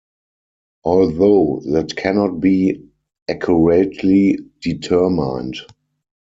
Although, that cannot be accurately determined.